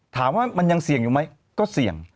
ถามว่ามันยังเสี่ยงอยู่ไหมก็เสี่ยง